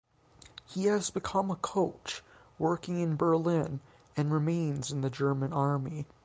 He has become a coach, working in Berlin, and remains in the German army.